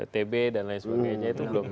tb dan lain sebagainya itu